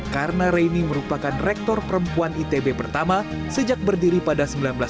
karena raini merupakan rektor perempuan itb pertama sejak berdiri pada seribu sembilan ratus dua puluh